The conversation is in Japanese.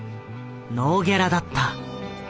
ノーギャラだった。